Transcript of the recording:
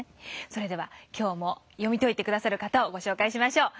今日も読み解いて下さる方をご紹介しましょう。